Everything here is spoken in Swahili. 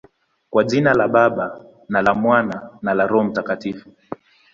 Kwa jina la Baba, na la Mwana, na la Roho Mtakatifu.